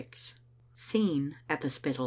SCENE AT THE SPITTAL.